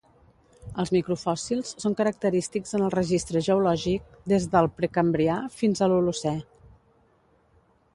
Els microfòssils són característics en el registre geològic des del Precambrià fins a l'Holocè.